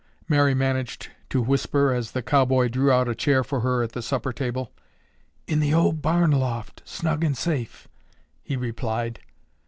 Mary managed to whisper as the cowboy drew out a chair for her at the supper table. "In the old barn loft, snug and safe," he replied.